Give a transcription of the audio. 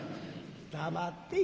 「黙ってぇ」。